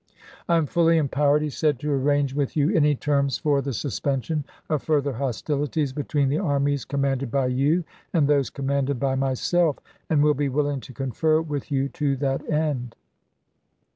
" I am fully empowered,'' he said, "to arrange with you any terms for the suspen sion of further hostilities between the armies com ♦'MeSSire.'" manded by you and those commanded by myself, p. '347." and will be willing to confer with you to that end."